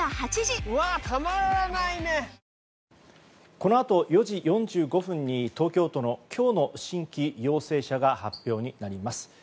このあと４時４５分に東京都の今日の新規陽性者が発表になります。